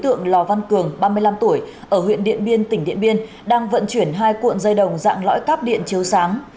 ở huyện điện biên tỉnh điện biên đang vận chuyển hai cuộn dây đồng dạng lõi cắp điện chiếu sáng